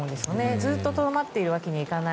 ずっととどまっているわけにはいかない。